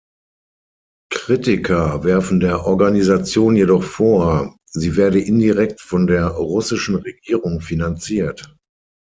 Kritiker werfen der Organisation jedoch vor, sie werde indirekt von der russischen Regierung finanziert.